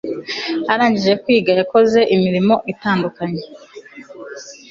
arangije kwiga yakoze imirimo itandukanye